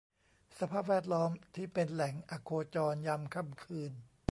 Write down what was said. สภาพแวดล้อมที่เป็นแหล่งอโคจรยามค่ำคืน